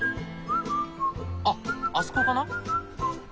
あっあそこかな？